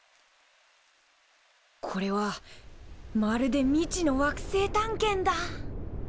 これはまるで未知の惑星探検だ。